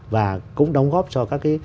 và cũng đóng góp cho các cái